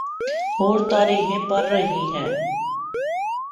اورتاریخیں پڑ رہی ہیں۔